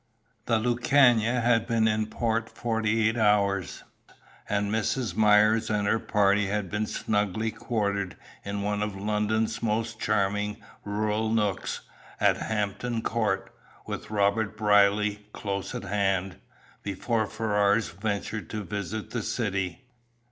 The Lucania had been in port forty eight hours, and Mrs. Myers and her party had been snugly quartered in one of London's most charming rural nooks, at Hampton Court, with Robert Brierly close at hand, before Ferrars ventured to visit the city.